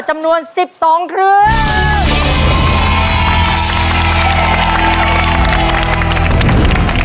จำนวน๑๒ครึ่ง